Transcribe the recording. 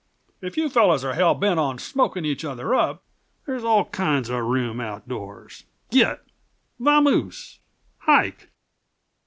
If you fellers are hell bent on smokin' each other up, they's all kinds uh room outdoors. Git! Vamose! Hike!"